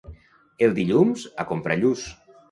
El dilluns, a comprar lluç.